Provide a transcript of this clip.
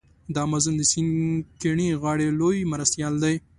د امازون د سیند کیڼې غاړي لوی مرستیال دی.